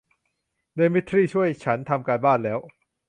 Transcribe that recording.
เดมิทรี่ช่วยฉันทำการบ้านแล้ว